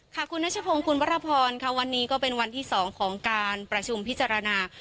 ค่ะคุณนัชพงศ์คุณวรพรค่ะวันนี้ก็เป็นวันที่๒ของการประชุมพิจารณา